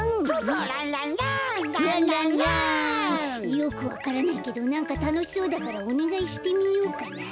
よくわからないけどなんかたのしそうだからおねがいしてみようかな。